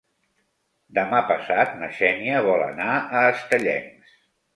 Demà passat na Xènia vol anar a Estellencs.